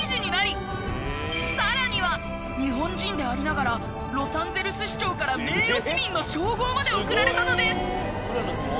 さらには日本人でありながらロサンゼルス市長から名誉市民の称号まで贈られたのです！